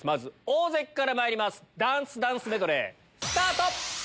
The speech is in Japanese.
大関からまいりますダンスダンスメドレー。